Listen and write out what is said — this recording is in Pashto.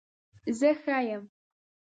زه ښه یم